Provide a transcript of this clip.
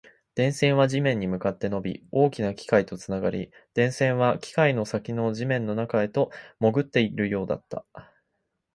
電線は地面に向かって伸び、大きな機械とつながり、電線は機械の先の地面の中へと潜っているようだった